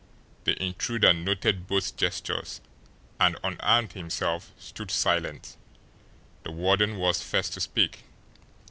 The intruder noted both gestures, and, unarmed himself, stood silent. The warden was first to speak.